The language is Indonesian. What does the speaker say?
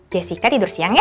jessica tidur siang ya